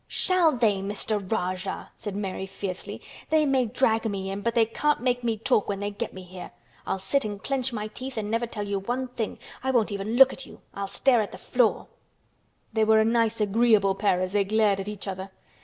"Shall they, Mr. Rajah!" said Mary fiercely. "They may drag me in but they can't make me talk when they get me here. I'll sit and clench my teeth and never tell you one thing. I won't even look at you. I'll stare at the floor!" They were a nice agreeable pair as they glared at each other.